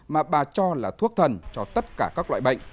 mà bà cho là thuốc thần cho tất cả các loại bệnh